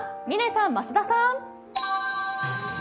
嶺さん、増田さん？